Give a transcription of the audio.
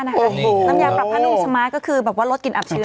น้ำยาปรับผ้านุ่มสมาร์ทก็คือแบบว่าลดกลิ่นอับชื้น